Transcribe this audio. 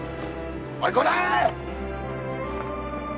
おい伍代！